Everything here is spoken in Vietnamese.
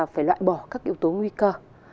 phải loại bỏ các yếu tố nguy cơ